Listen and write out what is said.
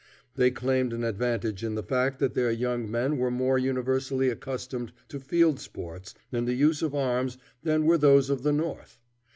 They claimed an advantage in the fact that their young men were more universally accustomed to field sports and the use of arms than were those of the North.